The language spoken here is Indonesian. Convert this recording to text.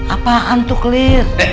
apaan tuh clear